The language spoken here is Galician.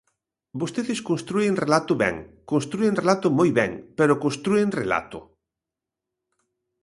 Vostedes constrúen relato ben, constrúen relato moi ben, pero constrúen relato.